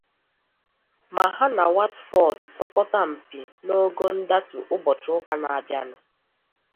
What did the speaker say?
ma ha na Watford sọkọta mpi n’ogo ndatụ ụbọchị ụka na-abianu.